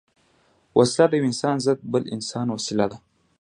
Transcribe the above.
وسله د یو انسان ضد بل انسان وسيله ده